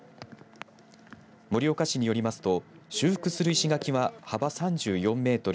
盛岡市によりますと修復する石垣は幅３４メートル